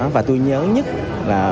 và tôi nhớ nhất là